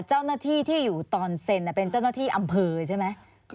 เจ้าหน้าที่ที่อยู่ตอนเซ็นเป็นเจ้าหน้าที่อำเภอใช่ไหม